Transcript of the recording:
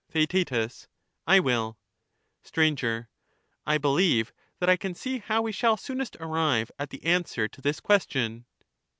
Theaet. I will. Str. I believe that I can see how we shall soonest arrive at the answer to this question.